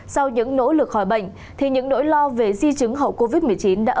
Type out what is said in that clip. sau những nỗ lực hỏi bệnh thì những nỗi lo về di chứng hậu covid một mươi chín